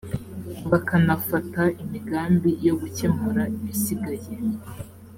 bakanafata imigambi yo gukemura ibisigaye